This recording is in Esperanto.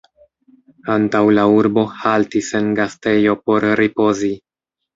Antaŭ la urbo haltis en gastejo por ripozi.